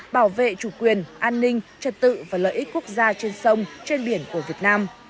bảo vệ chủ quyền an ninh trật tự và lợi ích quốc gia trên sông trên biển của việt nam